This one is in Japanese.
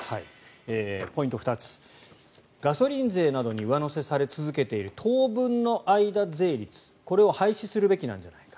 ポイント２つ、ガソリン税などに上乗せされ続けている当分の間税率、これを廃止するべきなんじゃないか。